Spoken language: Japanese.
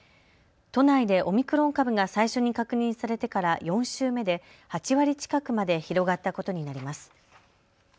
都内でオミクロン株が最初に確認されてから４週目で８割近くまで広がったことになります。